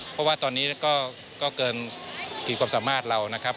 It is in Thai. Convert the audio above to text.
เพราะว่าตอนนี้ก็เกินขีดความสามารถเรานะครับ